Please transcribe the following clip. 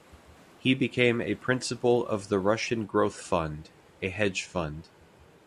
He became a principal of the Russian Growth Fund, a hedge fund.